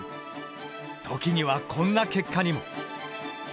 時にはこんな結果にも。